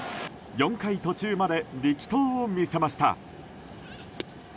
４回途中まで力投を見せました。